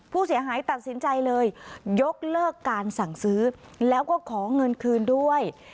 ผู้เสียหายตัดสินใจเลยยกเลิกการสั่งซื้อแล้วก็ขอเงินคืนด้วย